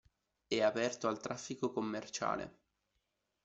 È aperto al traffico commerciale.